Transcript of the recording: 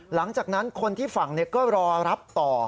หลังจากนั้นคนที่ฝั่งก็รอรับต่อ